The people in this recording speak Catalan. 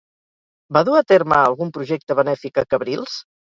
Va dur a terme algun projecte benèfic a Cabrils?